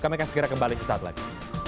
kami akan segera kembali sesaat lagi